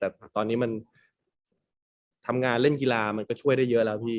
แต่ตอนนี้มันทำงานเล่นกีฬามันก็ช่วยได้เยอะแล้วพี่